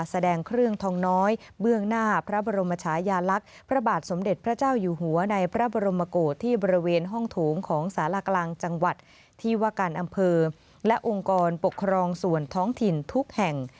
แสดงเครื่องทองน้อยเบื้องหน้าพระบรมชายาลักษณ์พระบาทสมเด็จพระเจ้าอยู่หัวในพระบรมโกศที่บริเวณห้องโถงของสารากลางจังหวัดที่ว่าการอำเภอและองค์กรปกครองส่วนท้องถิ่นทุกแห่ง